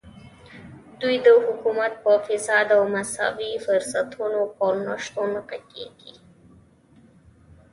دوی د حکومت په فساد او د مساوي فرصتونو پر نشتون غږېږي.